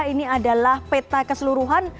ini adalah peta keseluruhan